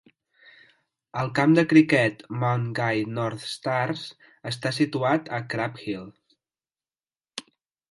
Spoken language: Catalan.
El camp de criquet Mount Gay North Stars està situat a Crab Hill.